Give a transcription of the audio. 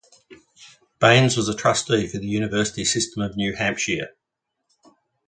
Baines was a trustee for the University System of New Hampshire.